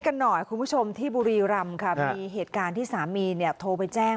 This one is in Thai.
กันหน่อยคุณผู้ชมที่บุรีรำค่ะมีเหตุการณ์ที่สามีเนี่ยโทรไปแจ้ง